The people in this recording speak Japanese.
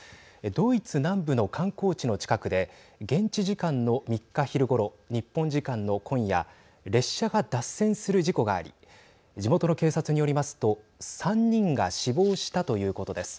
ドイツ南部の観光地の近くで現地時間の３日昼ごろ日本時間の今夜列車が脱線する事故があり地元の警察によりますと３人が死亡したということです。